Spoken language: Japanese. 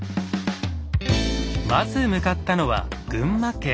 まず向かったのは群馬県。